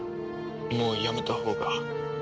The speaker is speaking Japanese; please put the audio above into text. もうやめたほうが。